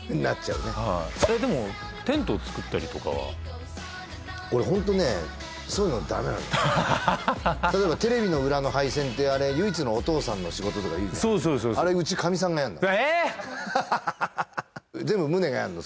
はいえでもテントを作ったりとかは俺ホントねそういうのダメなの例えばテレビの裏の配線ってあれ唯一のお父さんの仕事とかいうじゃんあれうちかみさんがやんだもんえーっでもムネがやんの？